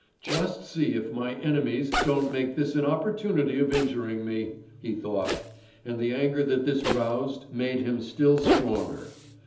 "Just see if my enemies don't make this an opportunity of injuring me!" he thought, and the anger that this roused made him still stronger.